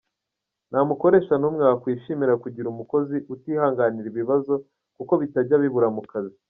Nta mukoresha n’umwe wakwishimira kugira umukozi utihanganira ibibazo, kuko bitajya bibura mu kazi.